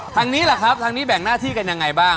ทางนี้แหละครับทางนี้แบ่งหน้าที่กันยังไงบ้าง